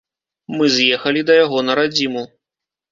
Мы з'ехалі да яго на радзіму.